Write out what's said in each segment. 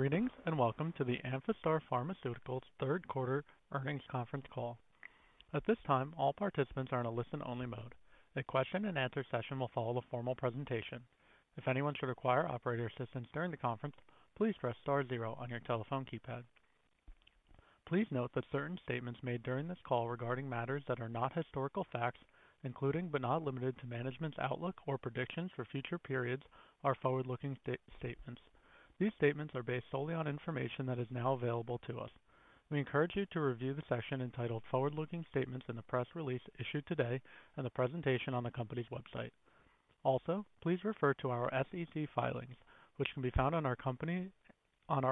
Greetings, and welcome to the Amphastar Pharmaceuticals third quarter earnings conference call. At this time, all participants are in a listen-only mode. A question and answer session will follow the formal presentation. If anyone should require operator assistance during the conference, please press star zero on your telephone keypad. Please note that certain statements made during this call regarding matters that are not historical facts, including but not limited to management's outlook or predictions for future periods, are forward-looking statements. These statements are based solely on information that is now available to us. We encourage you to review the section entitled "Forward-Looking Statements" in the press release issued today and the presentation on the company's website. Also, please refer to our SEC filings, which can be found on our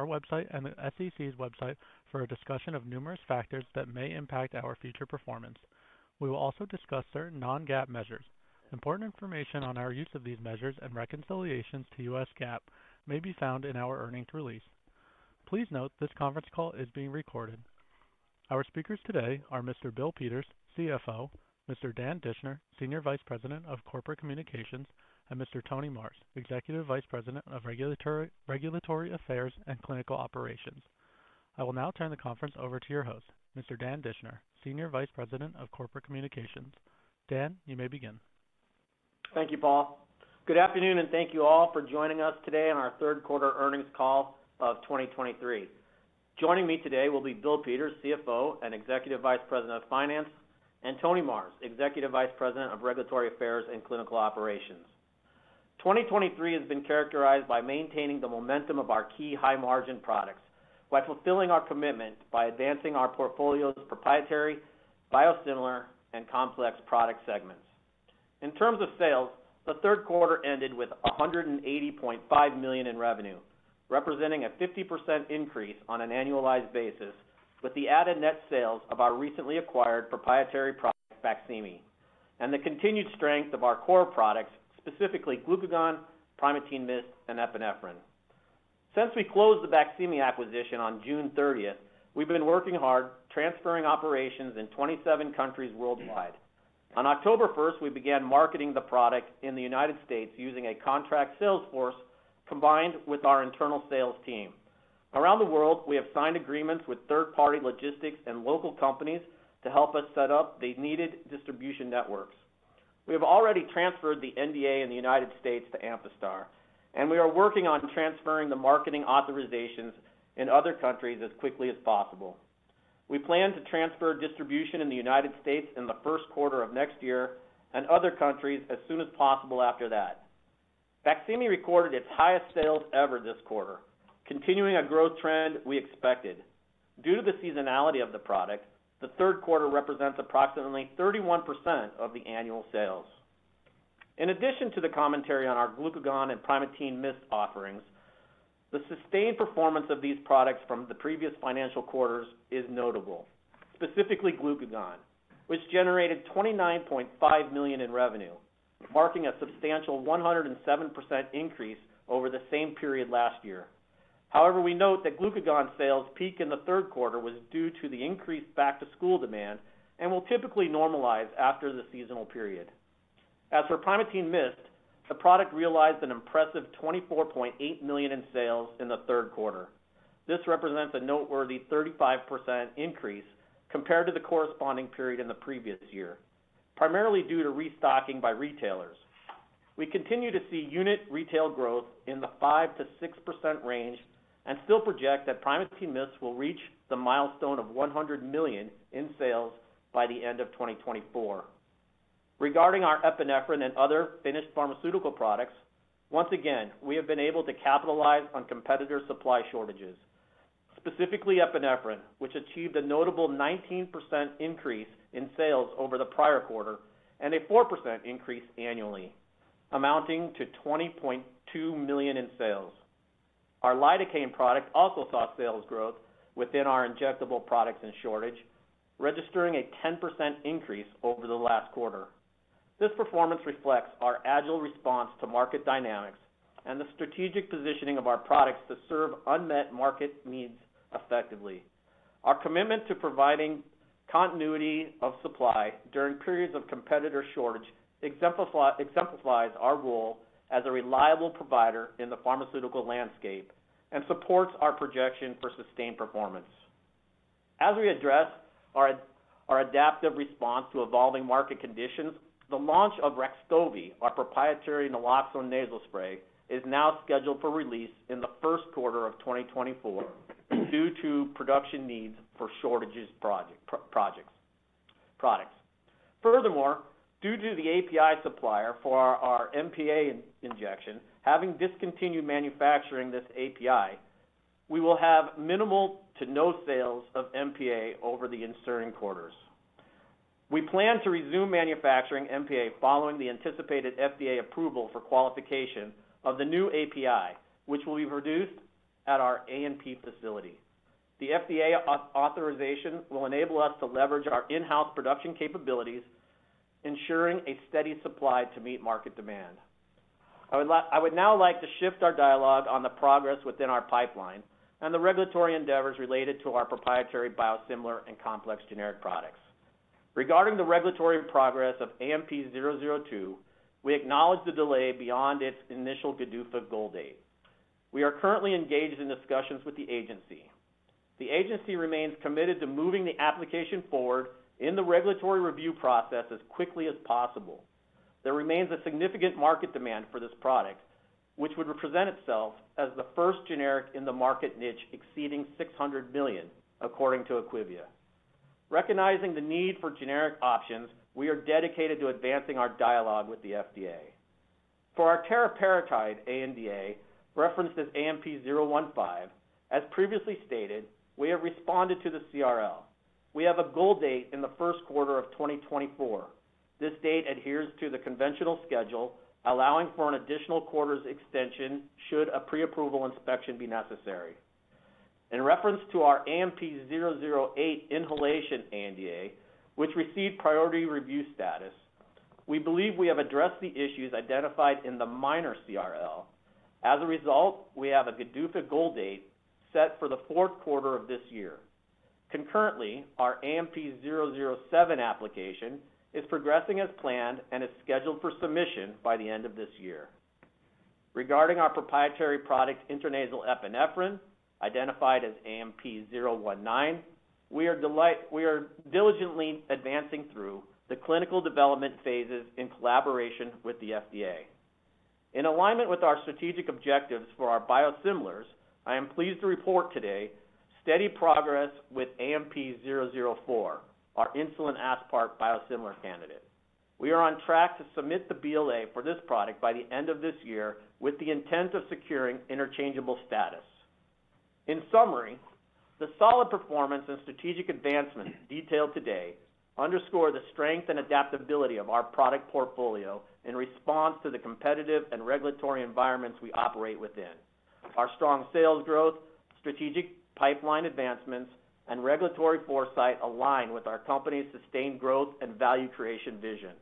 website and the SEC's website for a discussion of numerous factors that may impact our future performance. We will also discuss certain non-GAAP measures. Important information on our use of these measures and reconciliations to U.S. GAAP may be found in our earnings release. Please note, this conference call is being recorded. Our speakers today are Mr. Bill Peters, CFO, Mr. Dan Dischner, Senior Vice President of Corporate Communications, and Mr. Tony Marrs, Executive Vice President of Regulatory, Regulatory Affairs and Clinical Operations. I will now turn the conference over to your host, Mr. Dan Dischner, Senior Vice President of Corporate Communications. Dan, you may begin. Thank you, Paul. Good afternoon, and thank you all for joining us today on our third quarter earnings call of 2023. Joining me today will be Bill Peters, CFO and Executive Vice President of Finance, and Tony Marrs, Executive Vice President of Regulatory Affairs and Clinical Operations. 2023 has been characterized by maintaining the momentum of our key high-margin products by fulfilling our commitment by advancing our portfolio's proprietary, biosimilar, and complex product segments. In terms of sales, the third quarter ended with $180.5 million in revenue, representing a 50% increase on an annualized basis, with the added net sales of our recently acquired proprietary product, BAQSIMI, and the continued strength of our core products, specifically Glucagon, Primatene Mist, and Epinephrine. Since we closed the BAQSIMI acquisition on June 30, we've been working hard, transferring operations in 27 countries worldwide. On October first, we began marketing the product in the United States using a contract sales force combined with our internal sales team. Around the world, we have signed agreements with third-party logistics and local companies to help us set up the needed distribution networks. We have already transferred the NDA in the United States to Amphastar, and we are working on transferring the marketing authorizations in other countries as quickly as possible. We plan to transfer distribution in the United States in the first quarter of next year and other countries as soon as possible after that. BAQSIMI recorded its highest sales ever this quarter, continuing a growth trend we expected. Due to the seasonality of the product, the third quarter represents approximately 31% of the annual sales. In addition to the commentary on our Glucagon and Primatene Mist offerings, the sustained performance of these products from the previous financial quarters is notable. Specifically Glucagon, which generated $29.5 million in revenue, marking a substantial 107% increase over the same period last year. However, we note that Glucagon sales peak in the third quarter was due to the increased back-to-school demand and will typically normalize after the seasonal period. As for Primatene Mist, the product realized an impressive $24.8 million in sales in the third quarter. This represents a noteworthy 35% increase compared to the corresponding period in the previous year, primarily due to restocking by retailers. We continue to see unit retail growth in the 5%-6% range and still project that Primatene Mist will reach the milestone of $100 million in sales by the end of 2024. Regarding our epinephrine and other finished pharmaceutical products, once again, we have been able to capitalize on competitor supply shortages, specifically epinephrine, which achieved a notable 19% increase in sales over the prior quarter and a 4% increase annually, amounting to $20.2 million in sales. Our lidocaine product also saw sales growth within our injectable products and shortage, registering a 10% increase over the last quarter. This performance reflects our agile response to market dynamics and the strategic positioning of our products to serve unmet market needs effectively. Our commitment to providing continuity of supply during periods of competitor shortage exemplifies our role as a reliable provider in the pharmaceutical landscape and supports our projection for sustained performance. As we address our adaptive response to evolving market conditions, the launch of Rextovy, our proprietary naloxone nasal spray, is now scheduled for release in the first quarter of 2024 due to production needs for shortage products. Furthermore, due to the API supplier for our MPA injection having discontinued manufacturing this API, we will have minimal to no sales of MPA over the ensuing quarters. We plan to resume manufacturing MPA following the anticipated FDA approval for qualification of the new API, which will be produced at our ANP facility. The FDA authorization will enable us to leverage our in-house production capabilities, ensuring a steady supply to meet market demand. I would now like to shift our dialogue on the progress within our pipeline and the regulatory endeavors related to our proprietary biosimilar and complex generic products. Regarding the regulatory progress of AMP-002, we acknowledge the delay beyond its initial GDUFA goal date. We are currently engaged in discussions with the agency. The agency remains committed to moving the application forward in the regulatory review process as quickly as possible. There remains a significant market demand for this product, which would represent itself as the first generic in the market niche, exceeding $600 million, according to IQVIA. Recognizing the need for generic options, we are dedicated to advancing our dialogue with the FDA. For our Teriparatide ANDA, referenced as AMP-015, as previously stated, we have responded to the CRL. We have a goal date in the first quarter of 2024. This date adheres to the conventional schedule, allowing for an additional quarter's extension should a pre-approval inspection be necessary. In reference to our AMP-008 inhalation ANDA, which received priority review status, we believe we have addressed the issues identified in the minor CRL. As a result, we have a GDUFA goal date set for the fourth quarter of this year. Concurrently, our AMP-007 application is progressing as planned and is scheduled for submission by the end of this year. Regarding our proprietary product, intranasal epinephrine, identified as AMP-019, we are diligently advancing through the clinical development phases in collaboration with the FDA. In alignment with our strategic objectives for our biosimilars, I am pleased to report today steady progress with AMP-004, our insulin aspart biosimilar candidate. We are on track to submit the BLA for this product by the end of this year, with the intent of securing interchangeable status. In summary, the solid performance and strategic advancements detailed today underscore the strength and adaptability of our product portfolio in response to the competitive and regulatory environments we operate within. Our strong sales growth, strategic pipeline advancements, and regulatory foresight align with our company's sustained growth and value creation vision.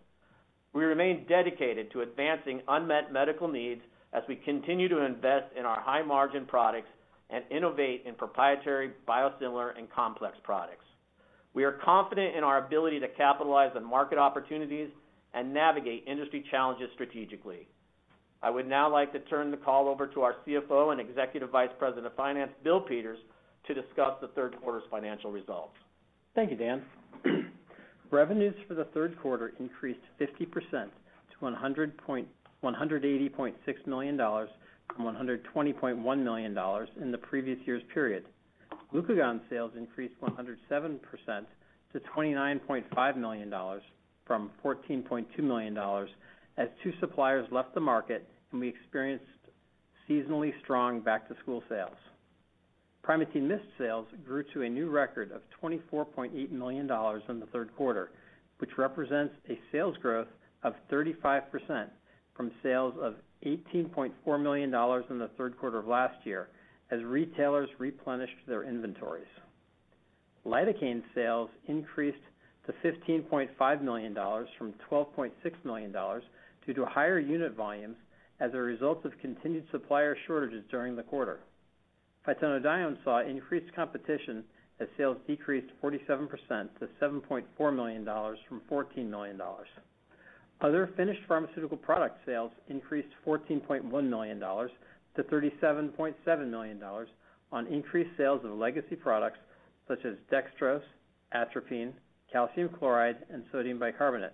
We remain dedicated to advancing unmet medical needs as we continue to invest in our high-margin products and innovate in proprietary, biosimilar, and complex products. We are confident in our ability to capitalize on market opportunities and navigate industry challenges strategically. I would now like to turn the call over to our CFO and Executive Vice President of Finance, Bill Peters, to discuss the third quarter's financial results. Thank you, Dan. Revenues for the third quarter increased 50% to $180.6 million from $120.1 million in the previous year's period. Glucagon sales increased 107% to $29.5 million from $14.2 million, as two suppliers left the market, and we experienced seasonally strong back-to-school sales. Primatene Mist sales grew to a new record of $24.8 million in the third quarter, which represents a sales growth of 35% from sales of $18.4 million in the third quarter of last year, as retailers replenished their inventories. Lidocaine sales increased to $15.5 million from $12.6 million due to higher unit volumes as a result of continued supplier shortages during the quarter. Phenylephrine saw increased competition, as sales decreased 47% to $7.4 million from $14 million. Other finished pharmaceutical product sales increased $14.1 million to $37.7 million on increased sales of legacy products such as Dextrose, Atropine, Calcium Chloride, and Sodium Bicarbonate,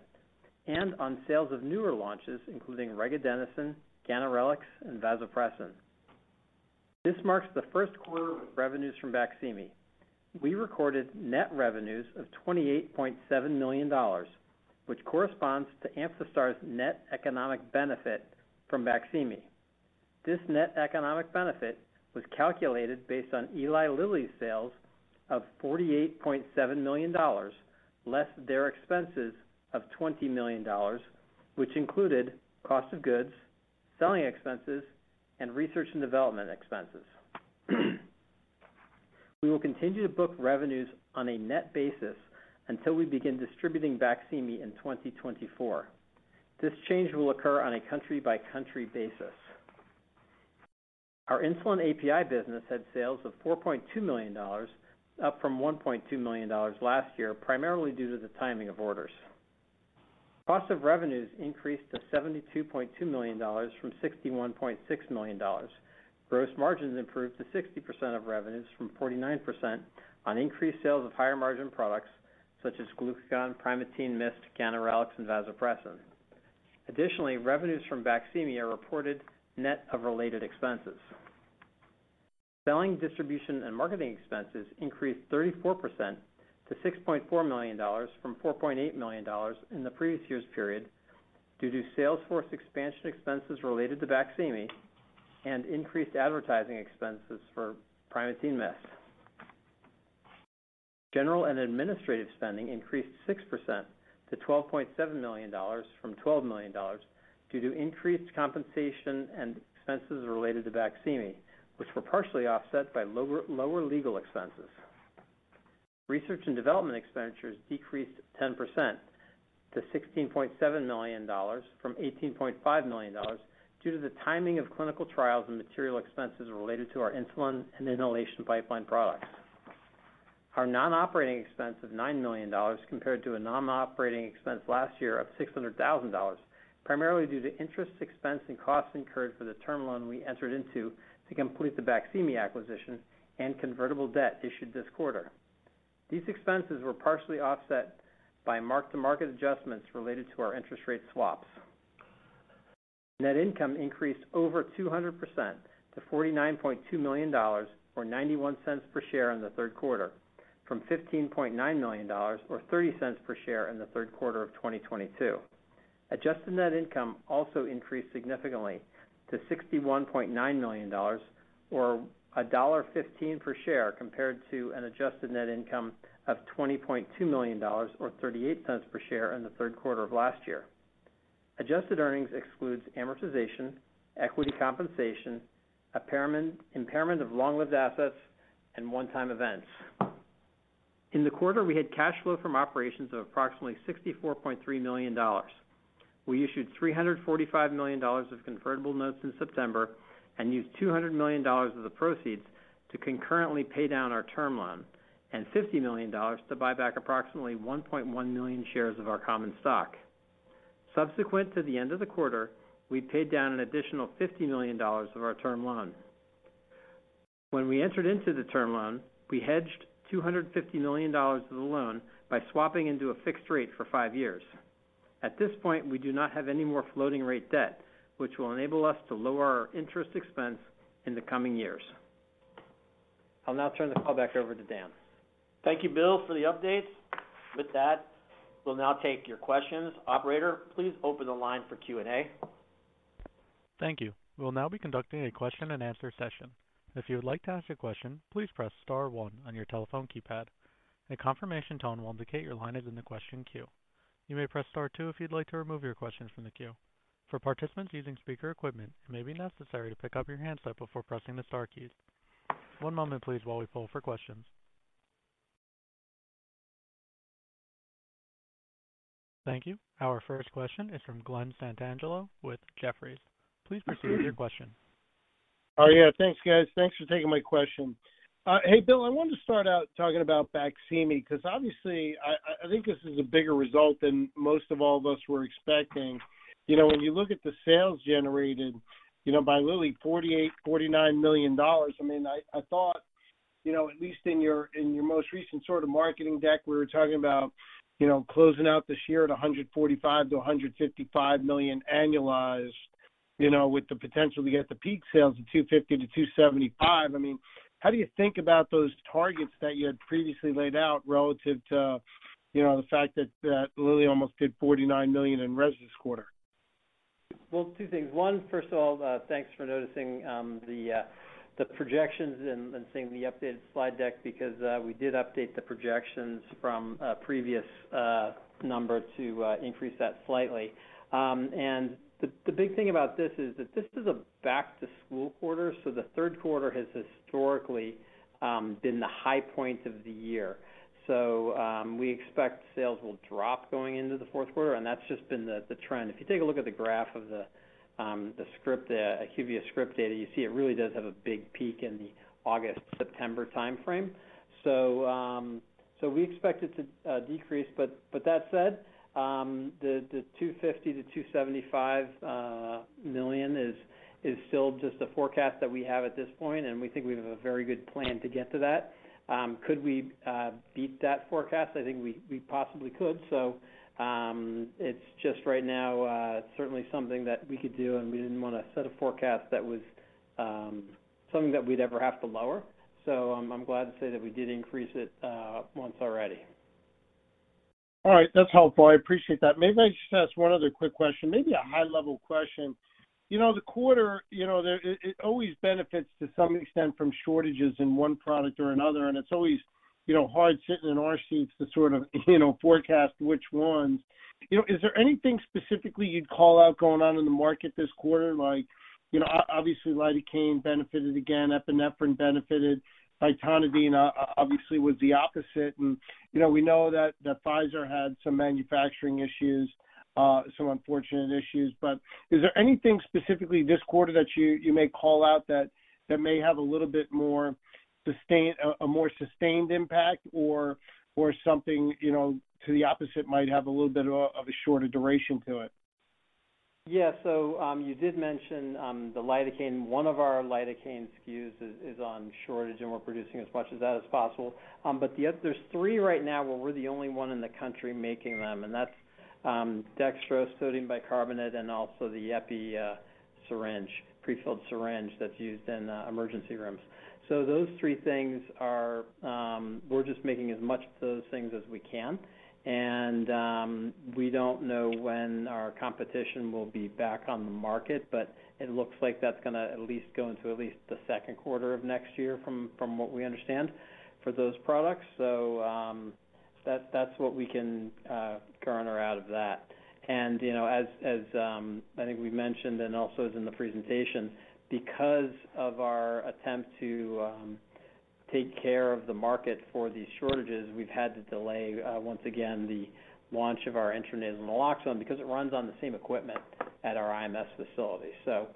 and on sales of newer launches, including Regadenoson, Ganirelix, and Vasopressin. This marks the first quarter of revenues from BAQSIMI. We recorded net revenues of $28.7 million, which corresponds to Amphastar's net economic benefit from BAQSIMI. This net economic benefit was calculated based on Eli Lilly's sales of $48.7 million, less their expenses of $20 million, which included cost of goods, selling expenses, and research and development expenses. We will continue to book revenues on a net basis until we begin distributing BAQSIMI in 2024. This change will occur on a country-by-country basis. Our insulin API business had sales of $4.2 million, up from $1.2 million last year, primarily due to the timing of orders. Cost of revenues increased to $72.2 million from $61.6 million. Gross margins improved to 60% of revenues from 49% on increased sales of higher-margin products such as Glucagon, Primatene Mist, Ganirelix, and Vasopressin. Additionally, revenues from BAQSIMI are reported net of related expenses. Selling, distribution, and marketing expenses increased 34% to $6.4 million from $4.8 million in the previous year's period due to sales force expansion expenses related to BAQSIMI and increased advertising expenses for Primatene Mist. General and administrative spending increased 6% to $12.7 million from $12 million, due to increased compensation and expenses related to BAQSIMI, which were partially offset by lower legal expenses. Research and development expenditures decreased 10% to $16.7 million from $18.5 million, due to the timing of clinical trials and material expenses related to our insulin and inhalation pipeline products. Our non-operating expense of $9 million compared to a non-operating expense last year of $600,000, primarily due to interest expense and costs incurred for the term loan we entered into to complete the BAQSIMI acquisition and convertible debt issued this quarter. These expenses were partially offset by mark-to-market adjustments related to our interest rate swaps. Net income increased over 200% to $49.2 million, or $0.91 per share in the third quarter, from $15.9 million, or $0.30 per share in the third quarter of 2022. Adjusted net income also increased significantly to $61.9 million or $1.15 per share, compared to an adjusted net income of $20.2 million or $0.38 per share in the third quarter of last year. Adjusted earnings excludes amortization, equity compensation, impairment of long-lived assets, and one-time events. In the quarter, we had cash flow from operations of approximately $64.3 million. We issued $345 million of convertible notes in September and used $200 million of the proceeds to concurrently pay down our term loan and $50 million to buy back approximately 1.1 million shares of our common stock. Subsequent to the end of the quarter, we paid down an additional $50 million of our term loan. When we entered into the term loan, we hedged $250 million of the loan by swapping into a fixed rate for five years. At this point, we do not have any more floating rate debt, which will enable us to lower our interest expense in the coming years. I'll now turn the call back over to Dan. Thank you, Bill, for the updates. With that, we'll now take your questions. Operator, please open the line for Q&A. Thank you. We'll now be conducting a question-and-answer session. If you would like to ask a question, please press star one on your telephone keypad. A confirmation tone will indicate your line is in the question queue. You may press star two if you'd like to remove your question from the queue. For participants using speaker equipment, it may be necessary to pick up your handset before pressing the star keys. One moment, please, while we poll for questions. Thank you. Our first question is from Glen Santangelo with Jefferies. Please proceed with your question. Oh, yeah. Thanks, guys. Thanks for taking my question. Hey, Bill, I wanted to start out talking about BAQSIMI, because obviously, I think this is a bigger result than most of all of us were expecting. You know, when you look at the sales generated, you know, by literally $48 million-$49 million, I mean, I thought, you know, at least in your most recent sort of marketing deck, we were talking about, you know, closing out this year at $145 million-$155 million annualized, you know, with the potential to get to peak sales of $250-$275. I mean, how do you think about those targets that you had previously laid out relative to, you know, the fact that Lilly almost did $49 million in revs this quarter? Well, two things. One, first of all, thanks for noticing, the projections and, and seeing the updated slide deck because, we did update the projections from a previous, number to, increase that slightly. And the, the big thing about this is that this is a back-to-school quarter, so the third quarter has historically, been the high point of the year. So, we expect sales will drop going into the fourth quarter, and that's just been the, the trend. If you take a look at the graph of the, the script, IQVIA script data, you see it really does have a big peak in the August-September time frame. So we expect it to decrease, but that said, the $250 million-$275 million is still just a forecast that we have at this point, and we think we have a very good plan to get to that. Could we beat that forecast? I think we possibly could. So it's just right now, certainly something that we could do, and we didn't want to set a forecast that was something that we'd ever have to lower. So I'm glad to say that we did increase it once already. All right. That's helpful. I appreciate that. Maybe I should ask one other quick question, maybe a high-level question. You know, the quarter, you know, there, it, it always benefits to some extent from shortages in one product or another, and it's always, you know, hard sitting in our seats to sort of, you know, forecast which ones. You know, is there anything specifically you'd call out going on in the market this quarter? Like, you know, obviously, Lidocaine benefited again, Epinephrine benefited, nitroglycerin, obviously, was the opposite. And, you know, we know that, that Pfizer had some manufacturing issues, some unfortunate issues. But is there anything specifically this quarter that you may call out that may have a little bit more sustained impact or something, you know, to the opposite might have a little bit of a shorter duration to it? Yeah. So, you did mention the lidocaine. One of our lidocaine SKUs is on shortage, and we're producing as much of that as possible. But the other, there's three right now where we're the only one in the country making them, and that's dextrose, sodium bicarbonate, and also the epi syringe, prefilled syringe that's used in emergency rooms. So those three things, we're just making as much of those things as we can. And we don't know when our competition will be back on the market, but it looks like that's gonna at least go into at least the second quarter of next year from what we understand for those products. So, that's what we can garner out of that. And, you know, I think we mentioned, and also as in the presentation, because of our attempt to take care of the market for these shortages, we've had to delay once again the launch of our intranasal naloxone because it runs on the same equipment at our IMS facility. So,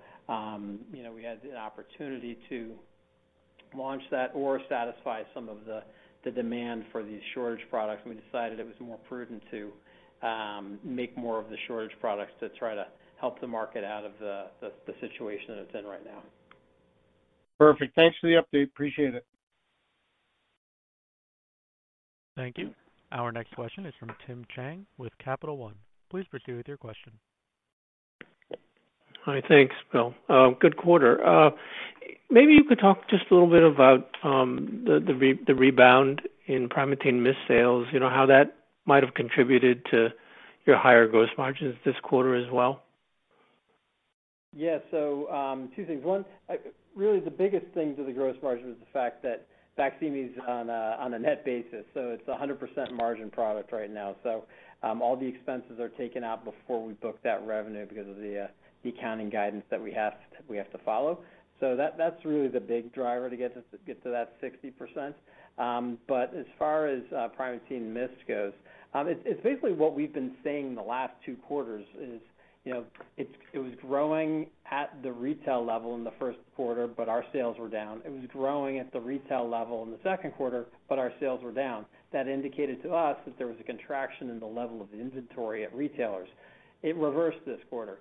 you know, we had the opportunity to launch that or satisfy some of the demand for these shortage products. We decided it was more prudent to make more of the shortage products to try to help the market out of the situation that it's in right now. Perfect. Thanks for the update. Appreciate it. Thank you. Our next question is from Tim Chiang with Capital One. Please proceed with your question. Hi. Thanks, Bill. Good quarter. Maybe you could talk just a little bit about the rebound in Primatene Mist sales, you know, how that might have contributed to your higher gross margins this quarter as well? Yeah. So, two things. One, really the biggest thing to the gross margin is the fact that BAQSIMI is on a net basis, so it's a 100% margin product right now. So, all the expenses are taken out before we book that revenue because of the accounting guidance that we have, we have to follow. So that's really the big driver to get us to get to that 60%. But as far as Primatene Mist goes, it's basically what we've been saying the last two quarters is, you know, it was growing at the retail level in the first quarter, but our sales were down. It was growing at the retail level in the second quarter, but our sales were down. That indicated to us that there was a contraction in the level of inventory at retailers. It reversed this quarter.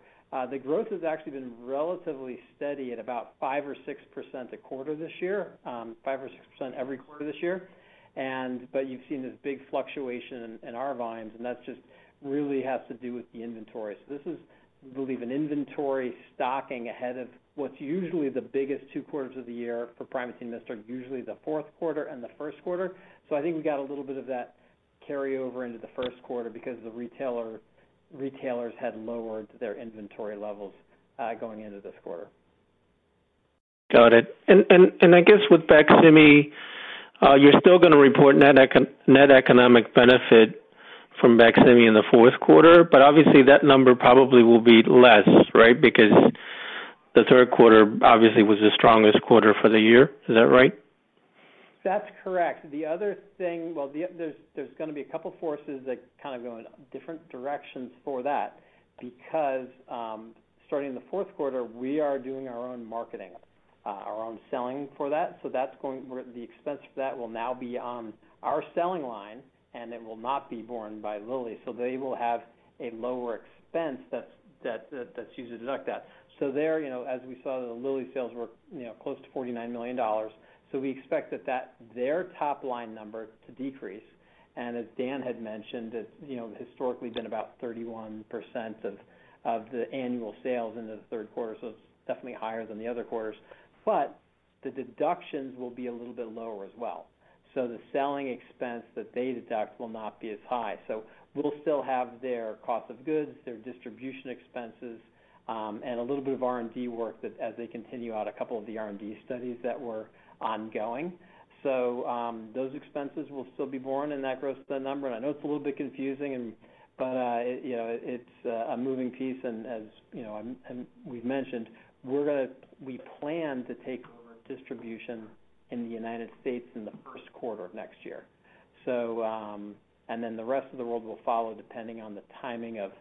The growth has actually been relatively steady at about 5% or 6% a quarter this year, 5% or 6% every quarter this year. And but you've seen this big fluctuation in, in our volumes, and that's just really has to do with the inventory. So this is, we believe, an inventory stocking ahead of what's usually the biggest two quarters of the year for Primatene Mist, are usually the fourth quarter and the first quarter. So I think we got a little bit of that carry over into the first quarter because the retailers had lowered their inventory levels, going into this quarter. Got it. I guess with BAQSIMI, you're still gonna report net economic benefit from BAQSIMI in the fourth quarter, but obviously, that number probably will be less, right? Because the third quarter obviously was the strongest quarter for the year. Is that right? That's correct. The other thing... Well, the, there's gonna be a couple forces that kind of go in different directions for that, because, starting in the fourth quarter, we are doing our own marketing, our own selling for that. So that's going- where the expense for that will now be on our selling line, and it will not be borne by Lilly. So they will have a lower expense that's used to deduct that. So there, you know, as we saw, the Lilly sales were, you know, close to $49 million. So we expect that their top-line number to decrease. And as Dan had mentioned, it's, you know, historically been about 31% of the annual sales in the third quarter, so it's definitely higher than the other quarters. But the deductions will be a little bit lower as well. So the selling expense that they deduct will not be as high. So we'll still have their cost of goods, their distribution expenses, and a little bit of R&D work that as they continue out, a couple of the R&D studies that were ongoing. So, those expenses will still be borne in that gross spend number. I know it's a little bit confusing and, but, you know, it's a moving piece. And as you know, and we've mentioned, we're gonna—we plan to take over distribution in the United States in the first quarter of next year. So, and then the rest of the world will follow, depending on the timing of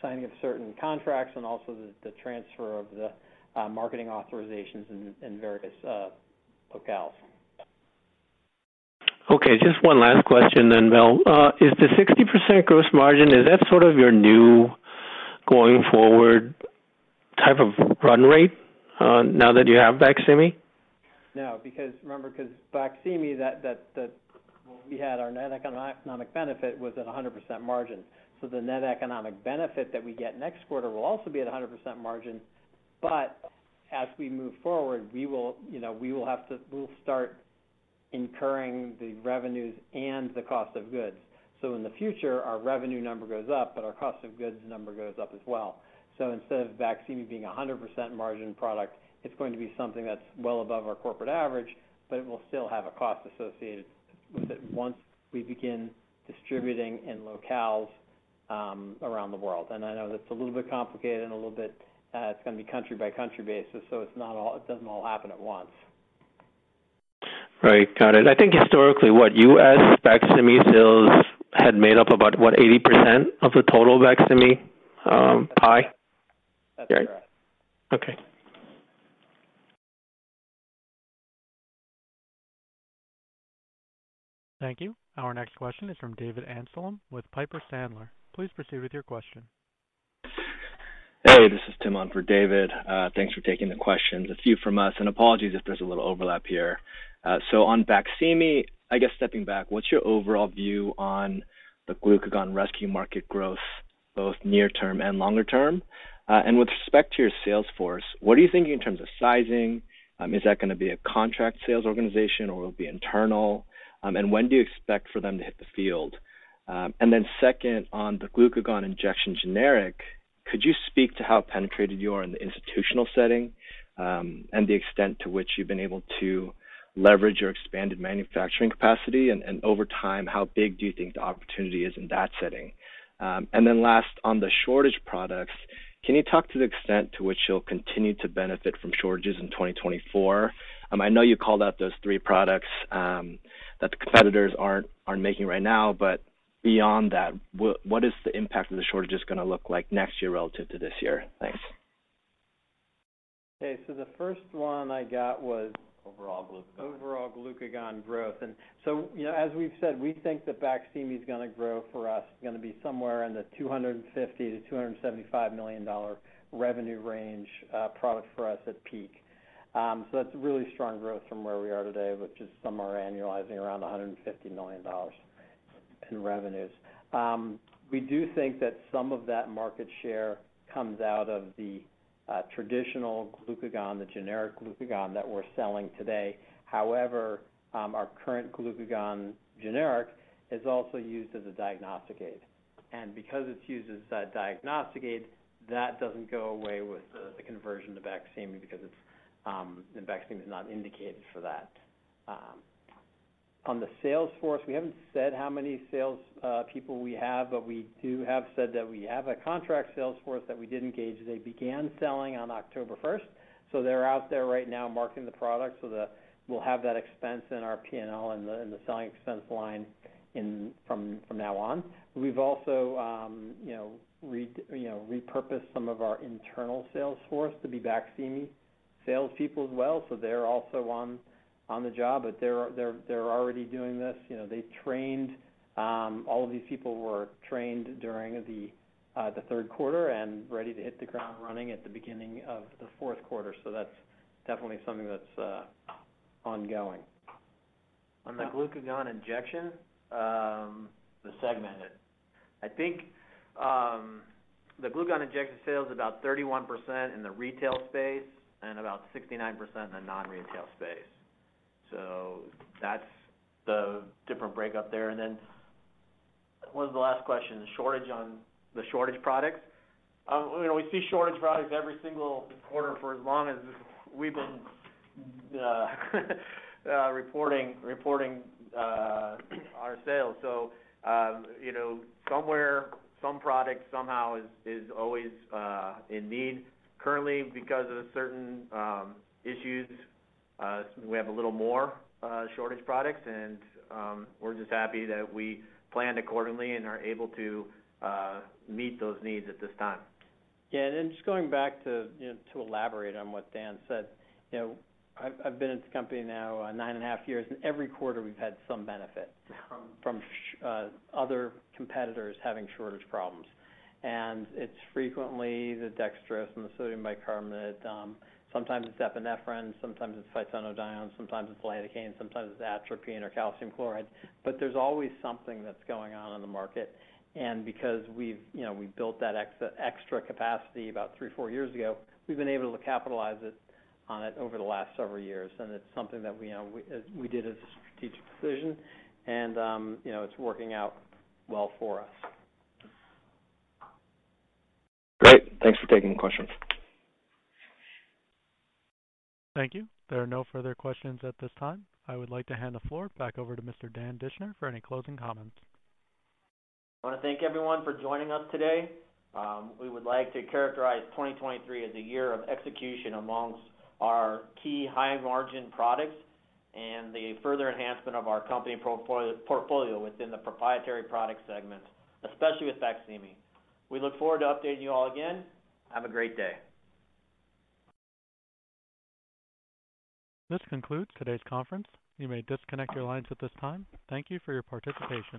signing of certain contracts and also the transfer of the marketing authorizations in various locales. Okay, just one last question then, Bill. Is the 60% gross margin sort of your new going forward type of run rate now that you have BAQSIMI? No, because remember, 'cause BAQSIMI, we had our net economic benefit was at a 100% margin. So the net economic benefit that we get next quarter will also be at a 100% margin. But as we move forward, we will, you know, we will have to - we'll start incurring the revenues and the cost of goods. So in the future, our revenue number goes up, but our cost of goods number goes up as well. So instead of BAQSIMI being a 100% margin product, it's going to be something that's well above our corporate average, but it will still have a cost associated with it once we begin distributing in locales around the world. And I know that's a little bit complicated and a little bit, it's gonna be country-by-country basis, so it's not all, it doesn't all happen at once. Right. Got it. I think historically, what U.S. BAQSIMI sales had made up about, what, 80% of the total BAQSIMI pie? That's correct. Okay. Thank you. Our next question is from David Amsellem with Piper Sandler. Please proceed with your question. Hey, this is Tim on for David. Thanks for taking the questions. A few from us, and apologies if there's a little overlap here. So on BAQSIMI, I guess stepping back, what's your overall view on the glucagon rescue market growth, both near term and longer term? And with respect to your sales force, what are you thinking in terms of sizing? Is that gonna be a contract sales organization or will it be internal? And when do you expect for them to hit the field? And then second, on the glucagon injection generic, could you speak to how penetrated you are in the institutional setting, and the extent to which you've been able to leverage your expanded manufacturing capacity? And over time, how big do you think the opportunity is in that setting? And then last, on the shortage products-... Can you talk to the extent to which you'll continue to benefit from shortages in 2024? I know you called out those three products that the competitors aren't making right now, but beyond that, what is the impact of the shortages gonna look like next year relative to this year? Thanks. Okay. So the first one I got was- Overall glucagon. Overall glucagon growth. So, you know, as we've said, we think that BAQSIMI is gonna grow for us, gonna be somewhere in the $250 million-$275 million revenue range, product for us at peak. So that's a really strong growth from where we are today, which is somewhere annualizing around $150 million in revenues. We do think that some of that market share comes out of the traditional glucagon, the generic glucagon that we're selling today. However, our current glucagon generic is also used as a diagnostic aid, and because it's used as a diagnostic aid, that doesn't go away with the conversion to BAQSIMI, because it's the BAQSIMI is not indicated for that. On the sales force, we haven't said how many sales people we have, but we do have said that we have a contract sales force that we did engage. They began selling on October first, so they're out there right now marketing the product. So we'll have that expense in our P&L and in the selling expense line from now on. We've also, you know, repurposed some of our internal sales force to be BAQSIMI salespeople as well, so they're also on the job. But they're already doing this. You know, they trained all of these people were trained during the third quarter and ready to hit the ground running at the beginning of the fourth quarter. So that's definitely something that's ongoing. On the glucagon injection, the segmented. I think, the glucagon injection sales are about 31% in the retail space and about 69% in the non-retail space. So that's the different breakup there. And then what was the last question? The shortage on the shortage products. You know, we see shortage products every single quarter for as long as we've been reporting our sales. So, you know, somewhere, some product somehow is always in need. Currently, because of certain issues, we have a little more shortage products, and we're just happy that we planned accordingly and are able to meet those needs at this time. Yeah, and then just going back to, you know, to elaborate on what Dan said. You know, I've, I've been at the company now 9.5 years, and every quarter we've had some benefit from other competitors having shortage problems. And it's frequently the Dextrose and the Sodium Bicarbonate, sometimes it's Epinephrine, sometimes it's physostigmine, sometimes it's Lidocaine, sometimes it's Atropine or Calcium Chloride. But there's always something that's going on in the market, and because we've, you know, we built that extra capacity about three to four years ago, we've been able to capitalize it, on it over the last several years. And it's something that, you know, we, we did as a strategic decision, and, you know, it's working out well for us. Great. Thanks for taking the questions. Thank you. There are no further questions at this time. I would like to hand the floor back over to Mr. Dan Dischner for any closing comments. I wanna thank everyone for joining us today. We would like to characterize 2023 as a year of execution amongst our key high-margin products and the further enhancement of our company portfolio within the proprietary product segment, especially with BAQSIMI. We look forward to updating you all again. Have a great day. This concludes today's conference. You may disconnect your lines at this time. Thank you for your participation.